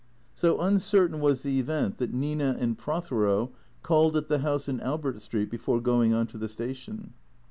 So uncertain was the event that N'ina and Prothero called at the house in Albert Street before going on to the station.